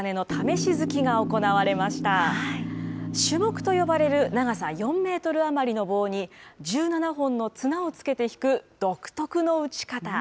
しゅもくと呼ばれる長さ４メートル余りの棒に、１７本の綱をつけてひく独特の打ち方。